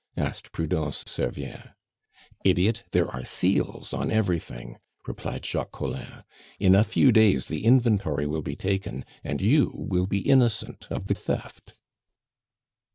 asked Prudence Servien. "Idiot! there are seals on everything," replied Jacques Collin. "In a few days the inventory will be taken, and you will be innocent of the theft."